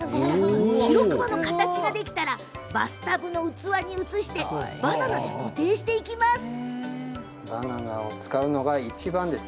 しろくまの形ができたらバスタブの器に移してバナナで固定していきます。